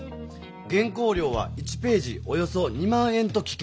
原稿料は１ページおよそ２万円と聞きました。